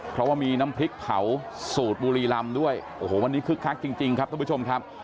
เพราะว่ามีน้ำพริกเผาสูตรบุรีลำด้วยโอ้โหวันนี้คึกคักจริงครับทุกผู้ชมครับ